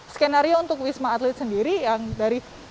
skenario untuk wisma atlet sendiri